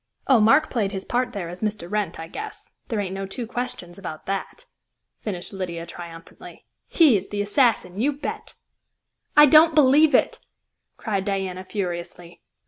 Oh, Mark played his part there as Mr. Wrent, I guess; there ain't no two questions about that," finished Lydia triumphantly. "He is the assassin, you bet!" "I don't believe it!" cried Diana furiously.